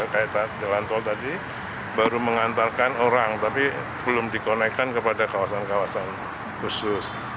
kayak jalan tol tadi baru mengantarkan orang tapi belum dikonekkan kepada kawasan kawasan khusus